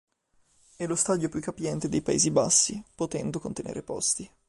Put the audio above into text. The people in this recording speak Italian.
È lo stadio più capiente dei Paesi Bassi, potendo contenere posti.